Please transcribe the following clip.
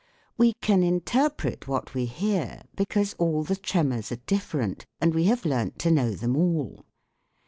We can interpret what we hear because all the tremors are different and we have learnt to know them all.